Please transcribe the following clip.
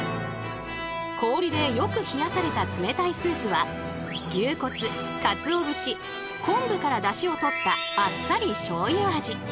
氷でよく冷やされた冷たいスープは牛骨かつお節昆布からダシをとったあっさりしょうゆ味。